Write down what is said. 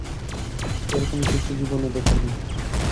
এরকম কিছু জীবনে দেখিনি।